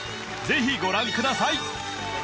ぜひご覧ください